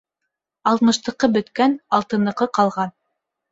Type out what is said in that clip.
Алтмыштыҡы бөткән, алтыныҡы ҡалған.